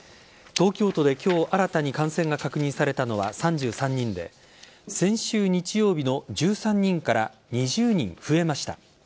東京都で今日新たに感染が確認されたのは３３人で先週日曜日の１３人から２０人増えました。